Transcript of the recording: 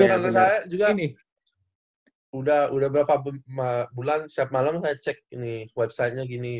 ini karena saya juga nih udah berapa bulan setiap malam saya cek ini websitenya gini